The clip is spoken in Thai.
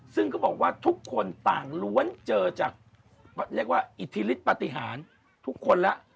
ซึ่งเขาบอกว่าทุกคนต่างล้วนเจอจากเรียกว่าอิทธิฤทธิปฏิหารทุกคนแล้ว